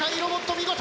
見事！